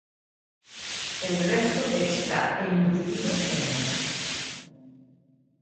El resto está enlucido en blanco.